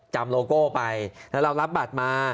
โลโก้ไปแล้วเรารับบัตรมา